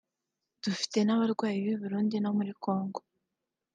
dufite n’abarwayi b’i Burundi no muri Congo